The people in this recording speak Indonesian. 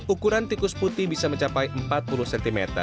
ukuran tikus putih bisa mencapai empat puluh cm